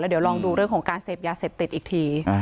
เดี๋ยวลองดูเรื่องของการเสพยาเสพติดอีกที